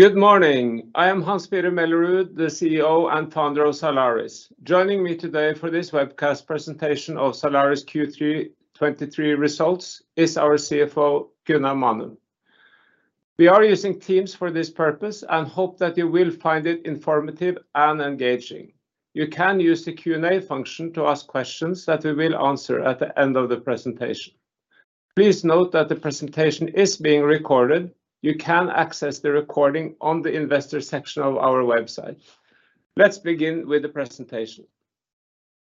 Good morning. I am Hans-Petter Mellerud, the CEO and founder of Zalaris. Joining me today for this webcast presentation of Zalaris Q3 2023 results is our CFO, Gunnar Manum. We are using Teams for this purpose and hope that you will find it informative and engaging. You can use the Q&A function to ask questions that we will answer at the end of the presentation. Please note that the presentation is being recorded. You can access the recording on the investor section of our website. Let's begin with the presentation.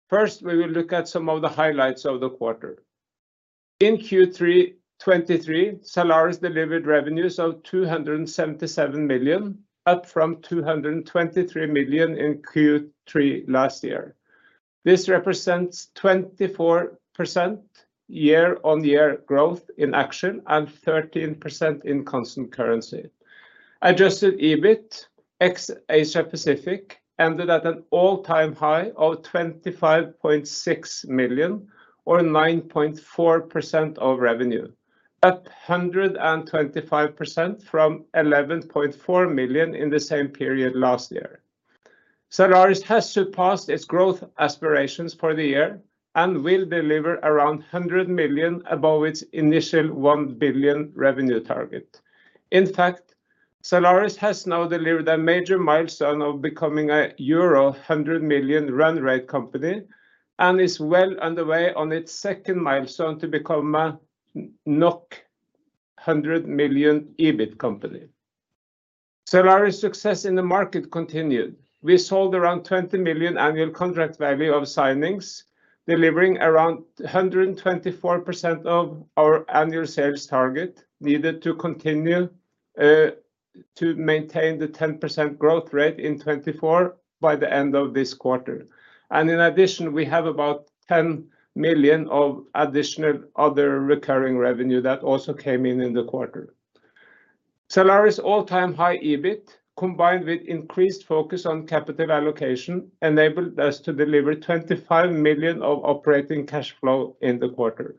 First, we will look at some of the highlights of the quarter. In Q3 2023, Zalaris delivered revenues of 277 million, up from 223 million in Q3 last year. This represents 24% year-on-year growth in NOK and 13% in constant currency. Adjusted EBIT, ex Asia Pacific, ended at an all-time high of 25.6 million, or 9.4% of revenue, up 125% from 11.4 million in the same period last year. Zalaris has surpassed its growth aspirations for the year and will deliver around 100 million above its initial 1 billion revenue target. In fact, Zalaris has now delivered a major milestone of becoming a euro 100 million run rate company and is well underway on its second milestone to become a 100 million EBIT company. Zalaris' success in the market continued. We sold around 20 million annual contract value of signings, delivering around 124% of our annual sales target, needed to continue to maintain the 10% growth rate in 2024 by the end of this quarter. In addition, we have about 10 million of additional other recurring revenue that also came in in the quarter. Zalaris' all-time high EBIT, combined with increased focus on capital allocation, enabled us to deliver 25 million of operating cash flow in the quarter.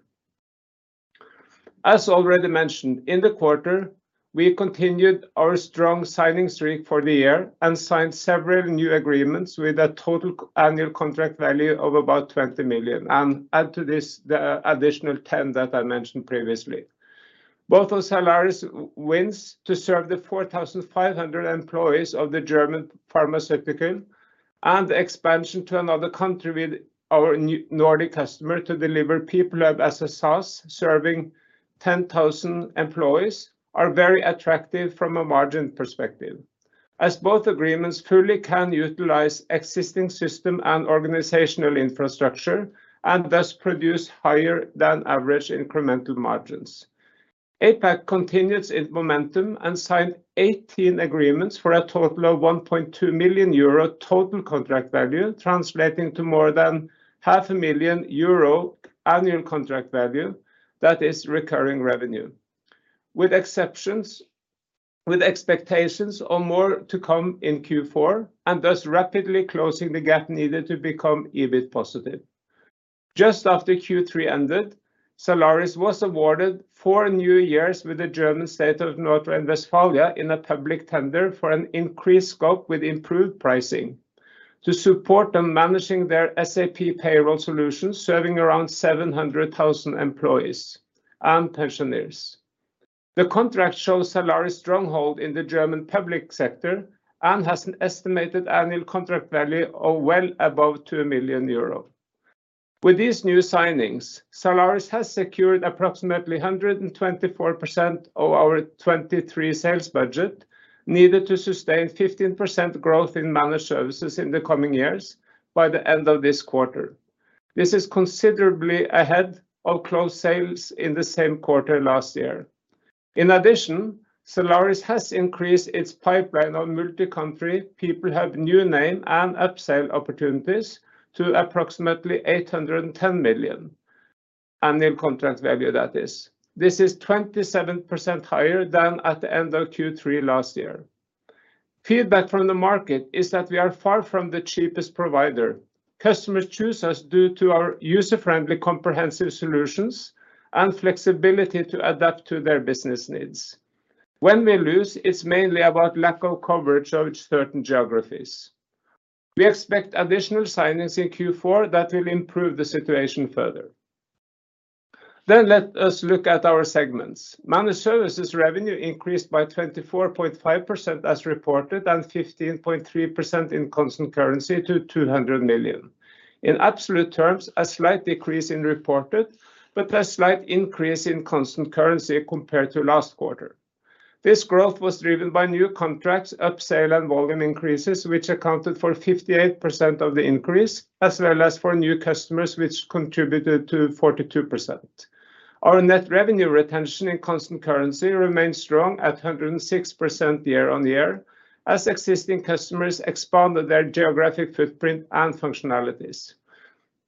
As already mentioned, in the quarter, we continued our strong signing streak for the year and signed several new agreements with a total annual contract value of about 20 million, and add to this the additional 10 that I mentioned previously. Both of Zalaris wins to serve the 4,500 employees of the German pharmaceutical and expansion to another country with our non-Nordic customer to deliver PeopleHub as a SaaS, serving 10,000 employees, are very attractive from a margin perspective, as both agreements fully can utilize existing system and organizational infrastructure, and thus produce higher than average incremental margins. APAC continues its momentum and signed 18 agreements for a total of 1.2 million euro total contract value, translating to more than 500,000 euro annual contract value that is recurring revenue. With expectations on more to come in Q4, and thus rapidly closing the gap needed to become EBIT positive. Just after Q3 ended, Zalaris was awarded four new years with the German state of North Rhine-Westphalia in a public tender for an increased scope with improved pricing to support them managing their SAP payroll solutions, serving around 700,000 employees and pensioners. The contract shows Zalaris' stronghold in the German public sector and has an estimated annual contract value of well above 2 million euro. With these new signings, Zalaris has secured approximately 124% of our 2023 sales budget, needed to sustain 15% growth in Managed Services in the coming years, by the end of this quarter. This is considerably ahead of closed sales in the same quarter last year. In addition, Zalaris has increased its pipeline of multi-country PeopleHub new name and upsell opportunities to approximately 810 million annual contract value, that is. This is 27% higher than at the end of Q3 last year. Feedback from the market is that we are far from the cheapest provider. Customers choose us due to our user-friendly, comprehensive solutions and flexibility to adapt to their business needs. When we lose, it's mainly about lack of coverage of certain geographies. We expect additional signings in Q4 that will improve the situation further. Then let us look at our segments. Managed Services revenue increased by 24.5% as reported, and 15.3% in constant currency to 200 million. In absolute terms, a slight decrease in reported, but a slight increase in constant currency compared to last quarter. This growth was driven by new contracts, upsell and volume increases, which accounted for 58% of the increase, as well as for new customers, which contributed to 42%. Our Net Revenue Retention in constant currency remains strong at 106% year-on-year, as existing customers expanded their geographic footprint and functionalities.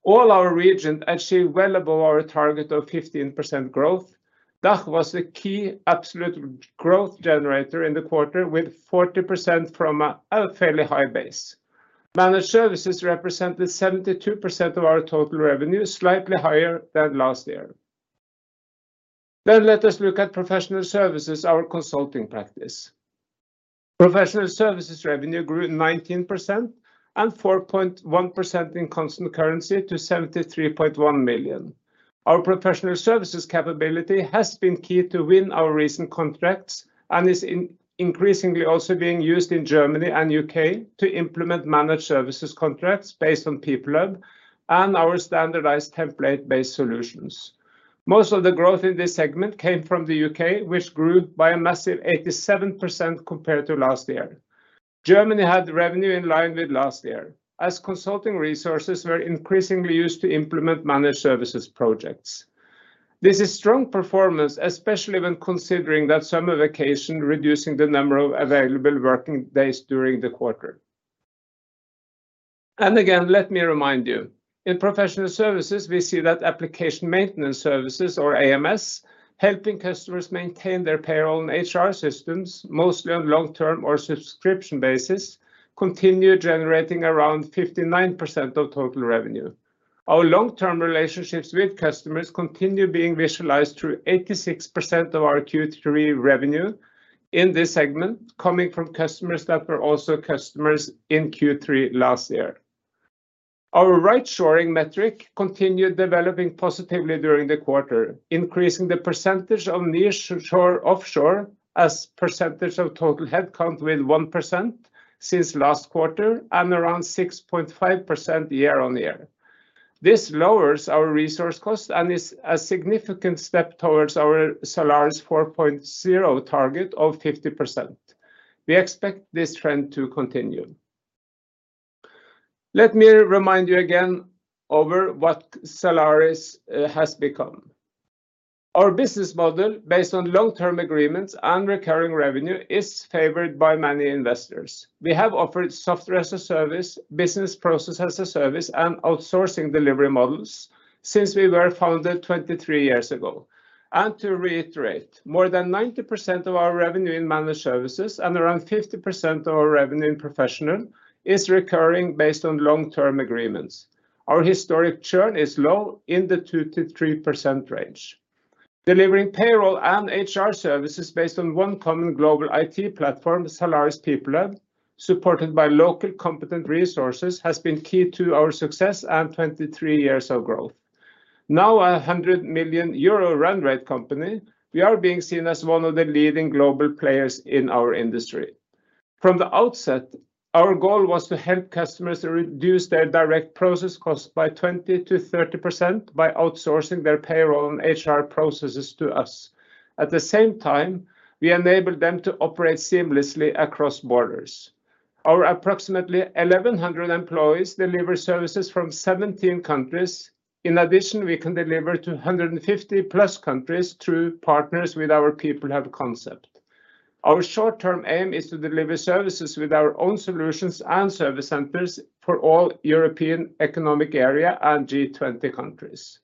All our regions achieved well above our target of 15% growth. DACH was the key absolute growth generator in the quarter, with 40% from a fairly high base. Managed Services represented 72% of our total revenue, slightly higher than last year.... Then let us look at Professional Services, our consulting practice. Professional Services revenue grew 19% and 4.1% in constant currency to 73.1 million. Our Professional Services capability has been key to win our recent contracts and is increasingly also being used in Germany and U.K. to implement Managed Services contracts based on PeopleHub and our standardized template-based solutions. Most of the growth in this segment came from the U.K., which grew by a massive 87% compared to last year. Germany had revenue in line with last year, as consulting resources were increasingly used to implement Managed Services projects. This is strong performance, especially when considering that summer vacation, reducing the number of available working days during the quarter. Again, let me remind you, in Professional Services, we see that Application Maintenance Services, or AMS, helping customers maintain their payroll and HR systems, mostly on long-term or subscription basis, continue generating around 59% of total revenue. Our long-term relationships with customers continue being visualized through 86% of our Q3 revenue in this segment, coming from customers that were also customers in Q3 last year. Our Right-shoring metric continued developing positively during the quarter, increasing the percentage of nearshore/offshore as percentage of total headcount with 1% since last quarter and around 6.5% year-on-year. This lowers our resource cost and is a significant step towards our Zalaris 4.0 target of 50%. We expect this trend to continue. Let me remind you again over what Zalaris has become. Our business model, based on long-term agreements and recurring revenue, is favored by many investors. We have offered Software as a Service, Business Process as a Service, and outsourcing delivery models since we were founded 23 years ago. To reiterate, more than 90% of our revenue in Managed Services and around 50% of our revenue in professional is recurring based on long-term agreements. Our historic churn is low, in the 2%-3% range. Delivering payroll and HR services based on one common global IT platform, Zalaris PeopleHub, supported by local competent resources, has been key to our success and 23 years of growth. Now, a 100 million euro run rate company, we are being seen as one of the leading global players in our industry. From the outset, our goal was to help customers reduce their direct process cost by 20%-30% by outsourcing their payroll and HR processes to us. At the same time, we enabled them to operate seamlessly across borders. Our approximately 1,100 employees deliver services from 17 countries. In addition, we can deliver to 150+ countries through partners with our PeopleHub concept. Our short term aim is to deliver services with our own solutions and service centers for all European Economic Area and G20 countries.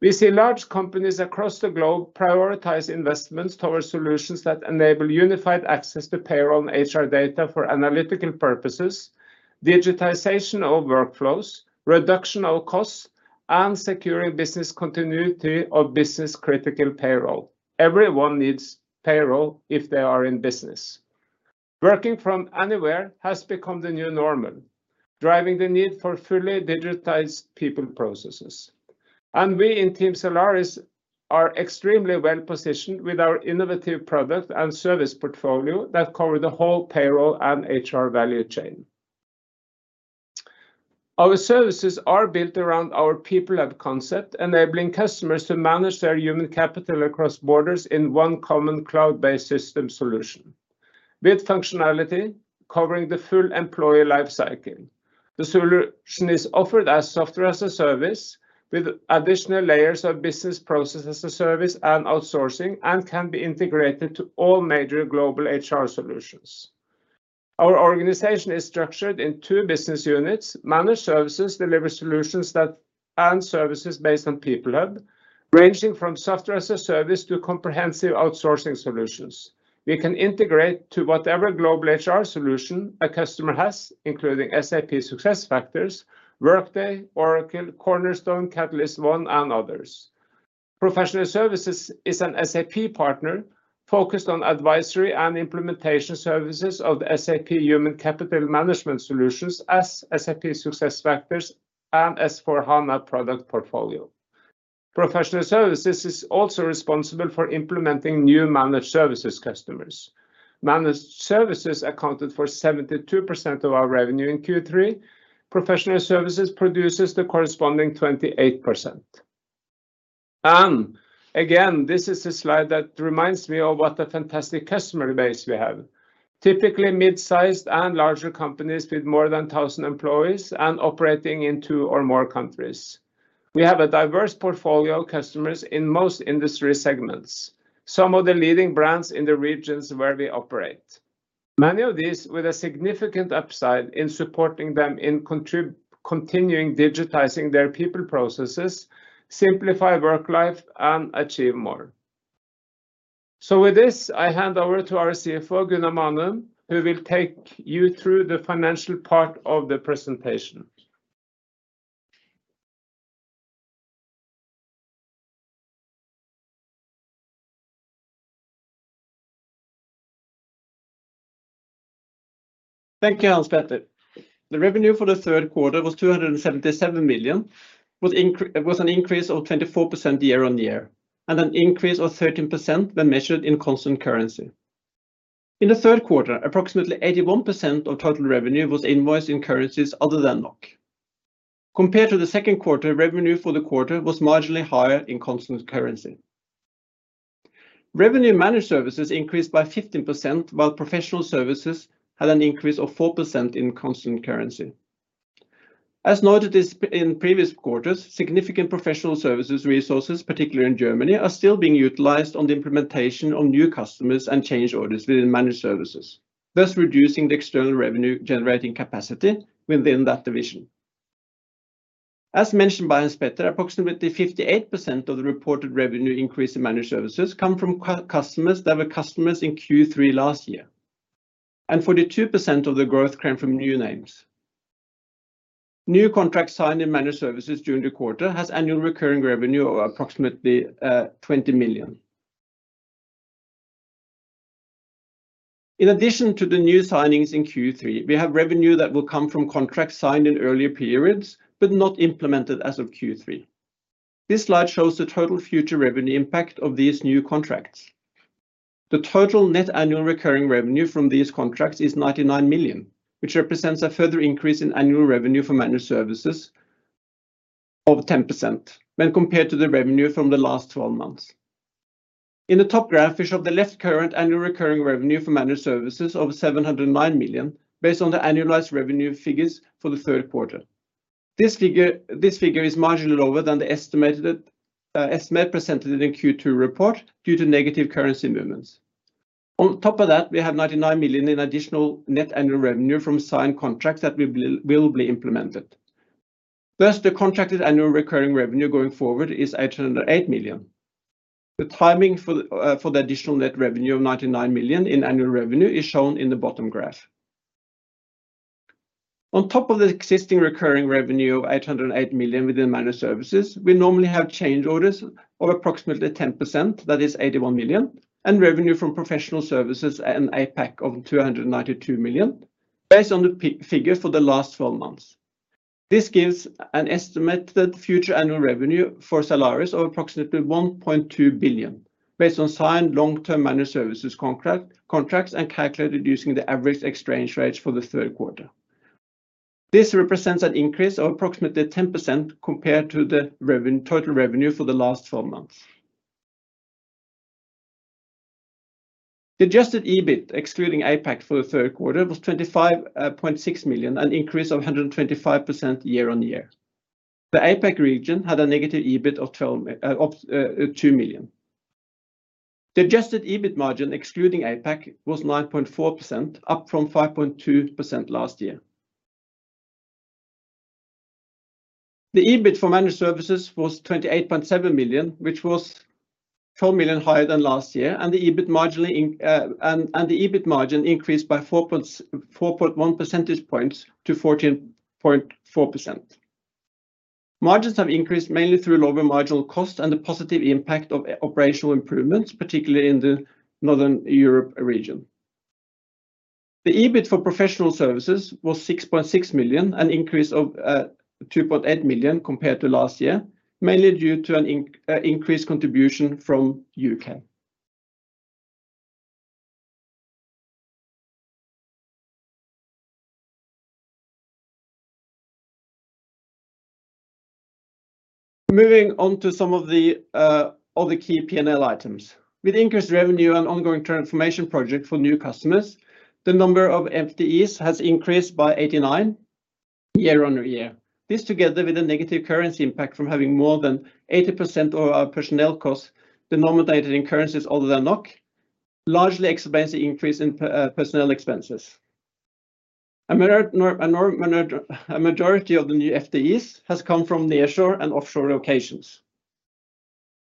We see large companies across the globe prioritize investments towards solutions that enable unified access to payroll and HR data for analytical purposes, digitization of workflows, reduction of costs, and securing business continuity of business critical payroll. Everyone needs payroll if they are in business. Working from anywhere has become the new normal, driving the need for fully digitized people processes. We, in Team Zalaris, are extremely well positioned with our innovative product and service portfolio that cover the whole payroll and HR value chain. Our services are built around our PeopleHub concept, enabling customers to manage their human capital across borders in one common cloud-based system solution, with functionality covering the full employee life cycle. The solution is offered as Software as a Service, with additional layers of Business Process as a Service and outsourcing, and can be integrated to all major global HR solutions. Our organization is structured in two business units. Managed Services deliver solutions and services based on PeopleHub, ranging from Software as a Service to comprehensive outsourcing solutions. We can integrate to whatever global HR solution a customer has, including SAP SuccessFactors, Workday, Oracle, Cornerstone, CatalystOne, and others. Professional Services is an SAP partner focused on advisory and implementation services of the SAP Human Capital Management Solutions as SAP SuccessFactors and S/4HANA product portfolio. Professional Services is also responsible for implementing new Managed Services customers. Managed Services accounted for 72% of our revenue in Q3. Professional Services produces the corresponding 28%. Again, this is a slide that reminds me of what a fantastic customer base we have. Typically, mid-sized and larger companies with more than 1,000 employees and operating in two or more countries. We have a diverse portfolio of customers in most industry segments, some of the leading brands in the regions where we operate. Many of these with a significant upside in supporting them in continuing digitizing their people processes, simplify work life, and achieve more... So with this, I hand over to our CFO, Gunnar Manum, who will take you through the financial part of the presentation. Thank you, Hans-Petter. The revenue for the third quarter was 277 million, it was an increase of 24% year-on-year, and an increase of 13% when measured in constant currency. In the third quarter, approximately 81% of total revenue was invoiced in currencies other than NOK. Compared to the second quarter, revenue for the quarter was marginally higher in constant currency. Revenue Managed Services increased by 15%, while Professional Services had an increase of 4% in constant currency. As noted this, in previous quarters, significant Professional Services resources, particularly in Germany, are still being utilized on the implementation of new customers and change orders within Managed Services, thus reducing the external revenue generating capacity within that division. As mentioned by Hans-Petter, approximately 58% of the reported revenue increase in Managed Services come from customers that were customers in Q3 last year, and 42% of the growth came from new names. New contracts signed in Managed Services during the quarter has annual recurring revenue of approximately 20 million. In addition to the new signings in Q3, we have revenue that will come from contracts signed in earlier periods, but not implemented as of Q3. This slide shows the total future revenue impact of these new contracts. The total net annual recurring revenue from these contracts is 99 million, which represents a further increase in annual revenue for Managed Services of 10% when compared to the revenue from the last 12 months. In the top graph, we show the latest current annual recurring revenue for Managed Services of 709 million, based on the annualized revenue figures for the third quarter. This figure, this figure is marginally lower than the estimated estimate presented in Q2 report due to negative currency movements. On top of that, we have 99 million in additional net annual revenue from signed contracts that will be, will be implemented. Thus, the contracted annual recurring revenue going forward is 808 million. The timing for the for the additional Net Revenue of 99 million in annual revenue is shown in the bottom graph. On top of the existing recurring revenue of 808 million within Managed Services, we normally have change orders of approximately 10%, that is 81 million, and revenue from Professional Services and APAC of 292 million, based on the P&L figures for the last 12 months. This gives an estimated future annual revenue for Zalaris of approximately 1.2 billion, based on signed long-term Managed Services contracts and calculated using the average exchange rates for the third quarter. This represents an increase of approximately 10% compared to the total revenue for the last four months. The Adjusted EBIT, excluding APAC for the third quarter, was 25.6 million, an increase of 125% year-on-year. The APAC region had a negative EBIT of 2 million. The Adjusted EBIT margin, excluding APAC, was 9.4%, up from 5.2% last year. The EBIT for Managed Services was 28.7 million, which was 4 million higher than last year, and the EBIT margin increased by 4.1 percentage points to 14.4%. Margins have increased mainly through lower marginal costs and the positive impact of operational improvements, particularly in the Northern Europe region. The EBIT for Professional Services was 6.6 million, an increase of 2.8 million compared to last year, mainly due to an increased contribution from U.K. Moving on to some of the other key P&L items. With increased revenue and ongoing transformation project for new customers, the number of FTEs has increased by 89 year-on-year. This, together with a negative currency impact from having more than 80% of our personnel costs denominated in currencies other than NOK, largely explains the increase in personnel expenses. A majority of the new FTEs has come from nearshore and offshore locations.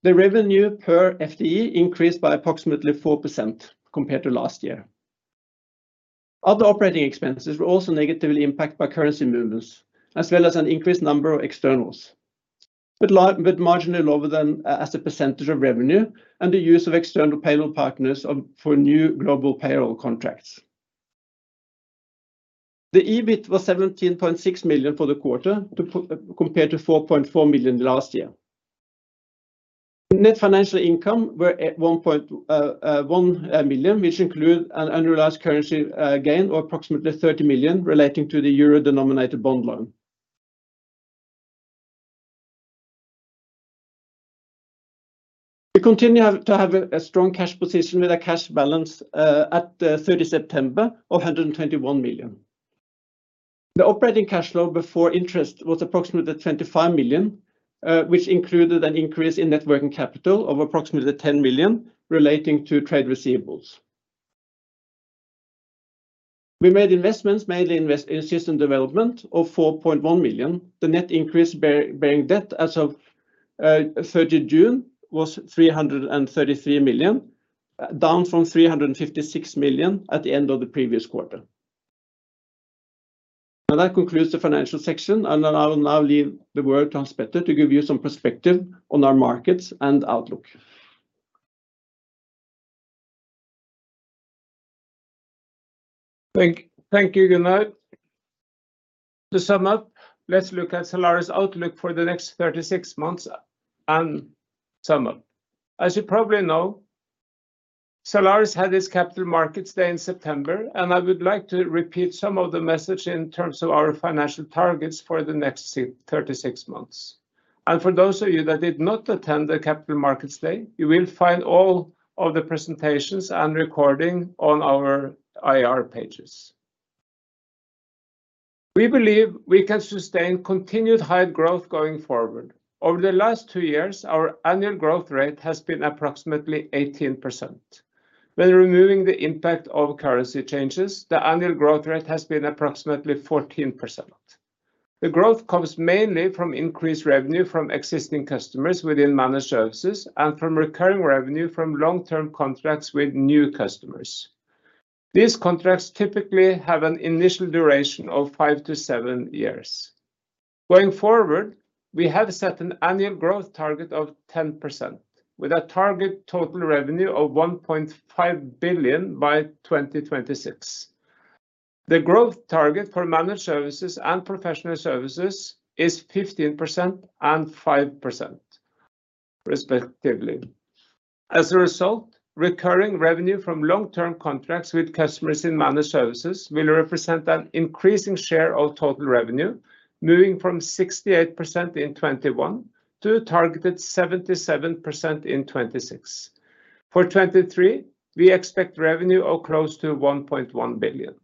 The revenue per FTE increased by approximately 4% compared to last year. Other operating expenses were also negatively impacted by currency movements, as well as an increased number of externals, but marginally lower than as a percentage of revenue and the use of external payroll partners for new global payroll contracts. The EBIT was 17.6 million for the quarter, compared to 4.4 million last year. Net financial income were at 1.1 million, which include an unrealized currency gain of approximately 30 million relating to the euro-denominated bond loan. We continue to have a strong cash position with a cash balance at 30 September of 121 million. The operating cash flow before interest was approximately 25 million, which included an increase in net working capital of approximately 10 million relating to trade receivables. We made investments, mainly invest in system development of 4.1 million. The net interest-bearing debt as of 30 June was 333 million, down from 356 million at the end of the previous quarter. Now, that concludes the financial section, and I will now leave the word to Hans-Petter to give you some perspective on our markets and outlook. Thank you, Gunnar. To sum up, let's look at Zalaris' outlook for the next 36 months and sum up. As you probably know, Zalaris had its Capital Markets Day in September, and I would like to repeat some of the message in terms of our financial targets for the next 36 months. For those of you that did not attend the Capital Markets Day, you will find all of the presentations and recording on our IR pages. We believe we can sustain continued high growth going forward. Over the last two years, our annual growth rate has been approximately 18%. When removing the impact of currency changes, the annual growth rate has been approximately 14%. The growth comes mainly from increased revenue from existing customers within Managed Services and from recurring revenue from long-term contracts with new customers. These contracts typically have an initial duration of five to seven years. Going forward, we have set an annual growth target of 10%, with a target total revenue of 1.5 billion by 2026. The growth target for Managed Services and Professional Services is 15% and 5%, respectively. As a result, recurring revenue from long-term contracts with customers in Managed Services will represent an increasing share of total revenue, moving from 68% in 2021 to a targeted 77% in 2026. For 2023, we expect revenue of close to 1.1 billion.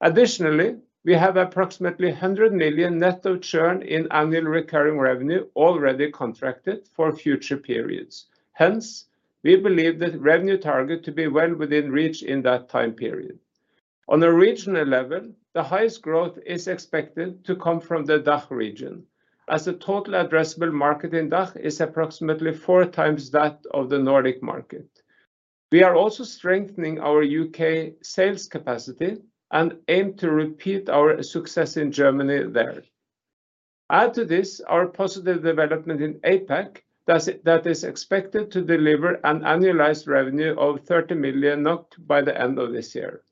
Additionally, we have approximately 100 million net of churn in annual recurring revenue already contracted for future periods. Hence, we believe the revenue target to be well within reach in that time period. On a regional level, the highest growth is expected to come from the DACH region, as the total addressable market in DACH is approximately four times that of the Nordic market. We are also strengthening our U.K. sales capacity and aim to repeat our success in Germany there. Add to this, our positive development in APAC, that is expected to deliver an annualized revenue of 30 million NOK by the end of this year.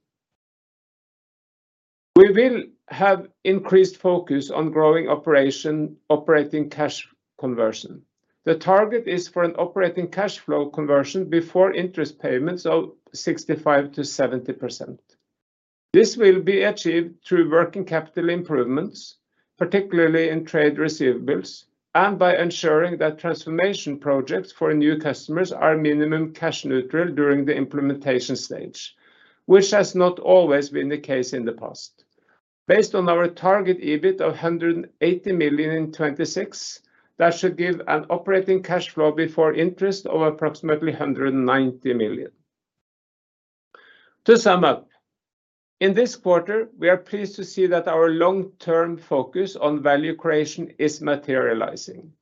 We will have increased focus on growing operating cash conversion. The target is for an operating cash flow conversion before interest payments of 65%-70%. This will be achieved through working capital improvements, particularly in trade receivables, and by ensuring that transformation projects for new customers are minimum cash neutral during the implementation stage, which has not always been the case in the past. Based on our target EBIT of 180 million in 2026, that should give an operating cash flow before interest of approximately 190 million. To sum up, in this quarter, we are pleased to see that our long-term focus on value creation is materializing.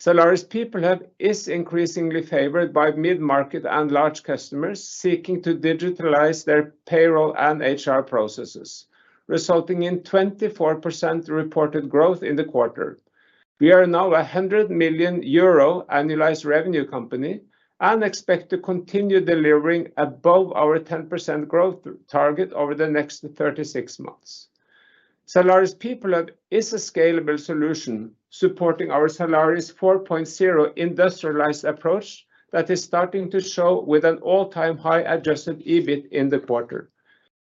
Zalaris People Hub is increasingly favored by mid-market and large customers seeking to digitalize their payroll and HR processes, resulting in 24% reported growth in the quarter. We are now a 100 million euro annualized revenue company and expect to continue delivering above our 10% growth target over the next 36 months. Zalaris PeopleHub is a scalable solution supporting our Zalaris 4.0 industrialized approach that is starting to show with an all-time high Adjusted EBIT in the quarter.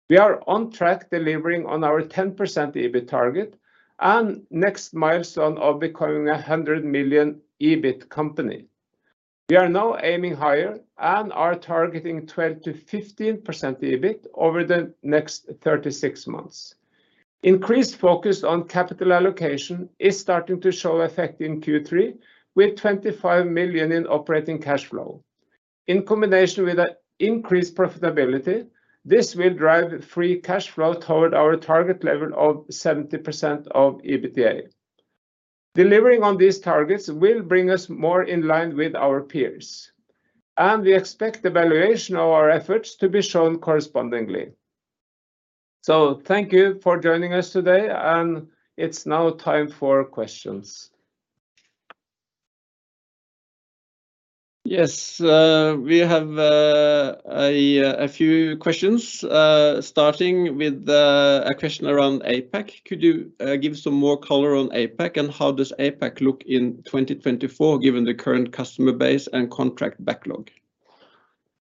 We are on track delivering on our 10% EBIT target and next milestone of becoming a 100 million EBIT company. We are now aiming higher and are targeting 12%-15% EBIT over the next 36 months. Increased focus on capital allocation is starting to show effect in Q3, with 25 million in operating cash flow. In combination with the increased profitability, this will drive free cash flow toward our target level of 70% of EBITDA. Delivering on these targets will bring us more in line with our peers, and we expect the valuation of our efforts to be shown correspondingly. So thank you for joining us today, and it's now time for questions. Yes, we have a few questions starting with a question around APAC. Could you give some more color on APAC, and how does APAC look in 2024, given the current customer base and contract backlog?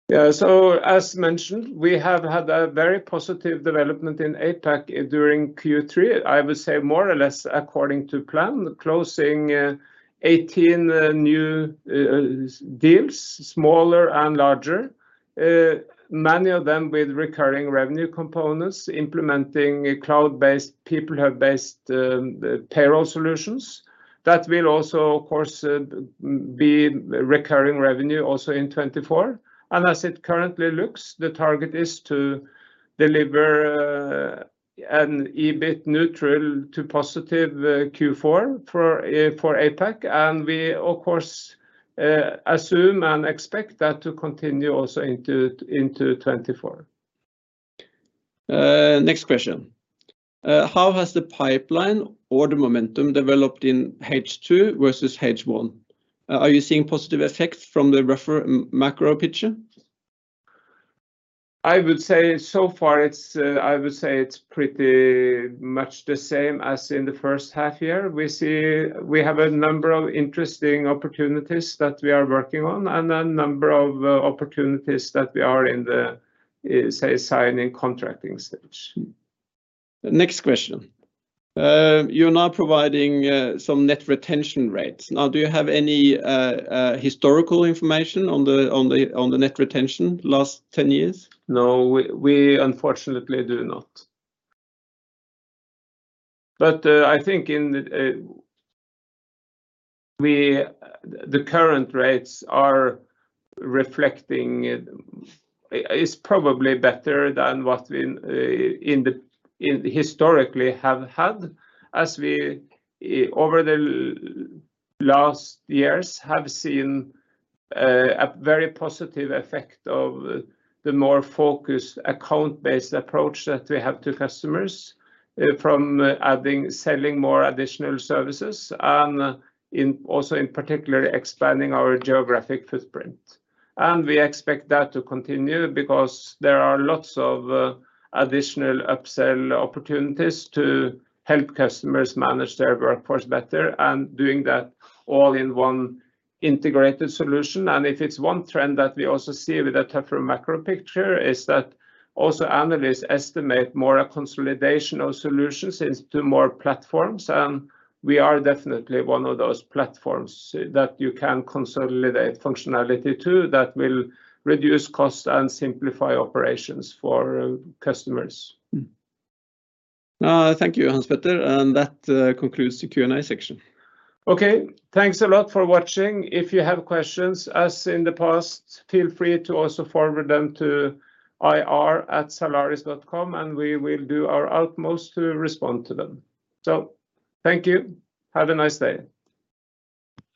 Yeah, so as mentioned, we have had a very positive development in APAC during Q3. I would say more or less according to plan, closing 18 new deals, smaller and larger. Many of them with recurring revenue components, implementing a cloud-based, PeopleHub-based payroll solutions. That will also, of course, be recurring revenue also in 2024. And as it currently looks, the target is to deliver an EBIT neutral to positive Q4 for APAC. And we, of course, assume and expect that to continue also into 2024. Next question. How has the pipeline or the momentum developed in H2 versus H1? Are you seeing positive effects from the refer-- macro picture? I would say so far it's, I would say it's pretty much the same as in the first half year. We see we have a number of interesting opportunities that we are working on, and a number of opportunities that we are in the, say, signing, contracting stage. Next question. You're now providing some net retention rates. Now, do you have any historical information on the net retention last 10 years? No, we unfortunately do not. But, I think the current rates are reflecting, it's probably better than what we historically have had. As we, over the last years, have seen a very positive effect of the more focused account-based approach that we have to customers from adding, selling more additional services, and also in particular, expanding our geographic footprint. And we expect that to continue, because there are lots of additional upsell opportunities to help customers manage their workforce better, and doing that all in one integrated solution. If it's one trend that we also see with a tougher macro picture, is that also analysts estimate more a consolidation of solutions into more platforms, and we are definitely one of those platforms that you can consolidate functionality to, that will reduce cost and simplify operations for customers. Thank you, Hans-Petter, and that concludes the Q&A section. Okay. Thanks a lot for watching. If you have questions, as in the past, feel free to also forward them to ir@zalaris.com, and we will do our utmost to respond to them. So thank you. Have a nice day.